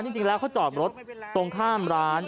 จริงแล้วเขาจอดรถตรงข้ามร้าน